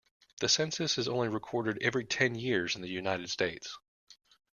The census is only recorded every ten years in the United States.